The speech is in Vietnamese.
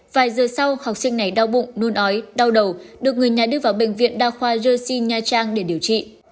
vài giờ sau học sinh này đau bụng nôn ói đau đầu được người nhà đưa vào bệnh viện đa khoa jersey nha trang để điều trị